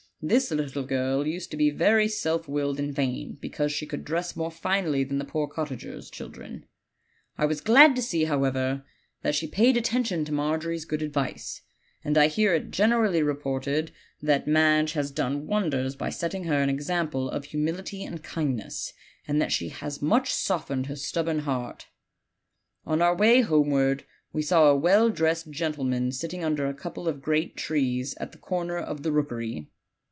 This little girl used to be very self willed and vain, because she could dress more finely than the poor cottagers' children. I was glad to see, however, that she paid at OLD, OLD FAIRY TALES. 7 tention to Margery's good advice; and I hear it generally reported that Madge has done wonders by setting her an example of humility and kindness, and that she has much softened her stubborn heart. "On our way homeward we saw a well dressed gentle man sitting under a couple of great trees, at the corner of the rookery.